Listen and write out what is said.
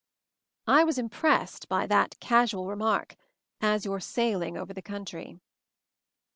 I was impressed by that casual remark, "As you're sailing over the country."